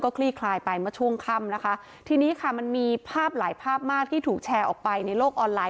คลี่คลายไปเมื่อช่วงค่ำนะคะทีนี้ค่ะมันมีภาพหลายภาพมากที่ถูกแชร์ออกไปในโลกออนไลน